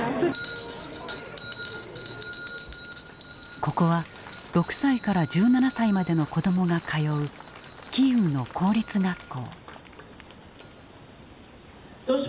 ここは６歳から１７歳までの子どもが通うキーウの公立学校。